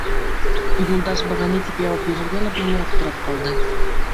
Юлдаш быға ни тип яуап бирергә лә белмәй аптырап ҡалды.